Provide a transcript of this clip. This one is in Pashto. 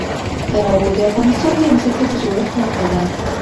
تنوع د افغانستان د ځمکې د جوړښت نښه ده.